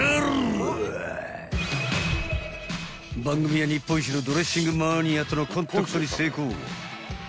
［番組は日本一のドレッシングマニアとのコンタクトに成功］